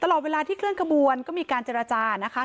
ตลอดเวลาที่เคลื่อนขบวนก็มีการเจรจานะคะ